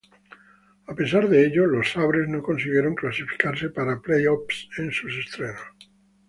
A pesar de ello, los Sabres no consiguieron clasificarse para playoffs en su estreno.